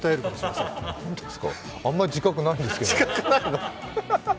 あんまり自覚ないんですけどね。